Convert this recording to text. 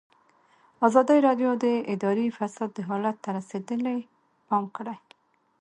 ازادي راډیو د اداري فساد حالت ته رسېدلي پام کړی.